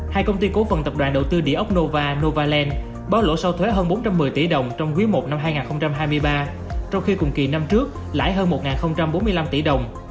hai công ty cố phần tập đoàn đầu tư địa ốc nova novaland báo lộ sau thuế hơn bốn trăm một mươi tỷ đồng trong quý i năm hai nghìn hai mươi ba trong khi cùng kỳ năm trước lãi hơn một bốn mươi năm tỷ đồng